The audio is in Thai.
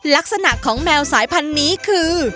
ลักษณะของแมวสายพันธุ์นี้คือ